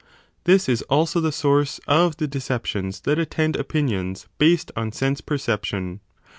This 5 is also the source of the deceptions that attend opinions based on sense perception.